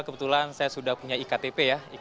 kebetulan saya sudah punya iktp ya